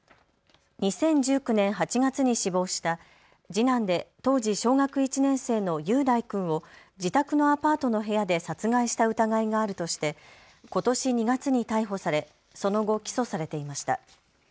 ２０１９年８月に死亡した次男で当時、小学１年生の雄大君を自宅のアパートの部屋で殺害した疑いがあるとしてことし２月に逮捕されその後、起訴されていました。